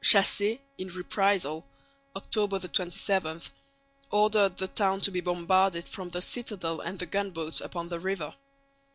Chassé in reprisal (October 27) ordered the town to be bombarded from the citadel and the gunboats upon the river.